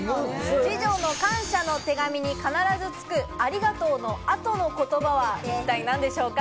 二女の感謝の手紙に必ずつく、ありがとうの後の言葉は一体何でしょうか？